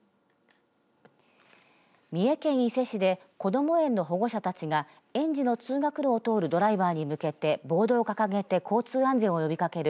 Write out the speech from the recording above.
三重県伊勢市でこども園の保護者たちが園児の通学路を通るドライバーに向けてボードを掲げて交通安全を呼びかける